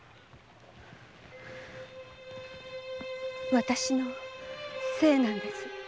私のせいなんです。